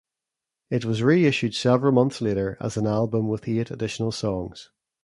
It was reissued several months later as an album with eight additional songs.